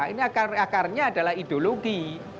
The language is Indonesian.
ini akarnya adalah ideologi